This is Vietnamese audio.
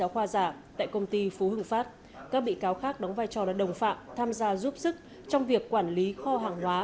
phú hưng phát các bị cáo khác đóng vai trò là đồng phạm tham gia giúp sức trong việc quản lý kho hàng hóa